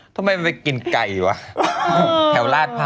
ทำไมไม่กินไก่วะแถวราชพาว